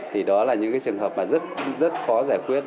thì đó là những trường hợp rất khó giải quyết